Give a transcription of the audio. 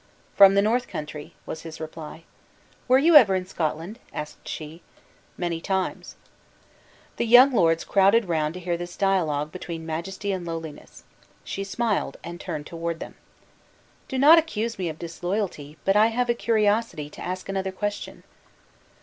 "From the north country," was his reply. "Were you ever in Scotland?" asked she. "Many times." The young lords crowded round to hear this dialogue between majesty and lowliness. She smiled, and turned toward them. "Do not accuse me of disloyalty, but I have a curiosity to ask another question."